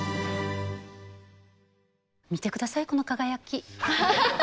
見て下さいこの輝き。